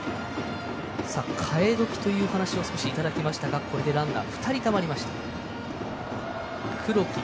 代え時という話をいただきましたがこれでランナー２人たまりました。